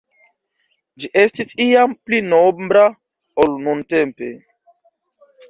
Ĝi estis iam pli nombra ol nuntempe.